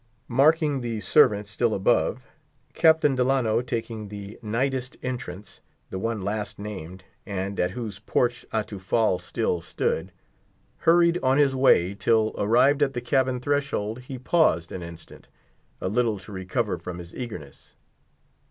Marking the servant still above, Captain Delano, taking the nighest entrance—the one last named, and at whose porch Atufal still stood—hurried on his way, till, arrived at the cabin threshold, he paused an instant, a little to recover from his eagerness.